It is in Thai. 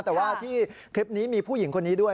แต่ว่าที่คลิปนี้มีผู้หญิงคนนี้ด้วย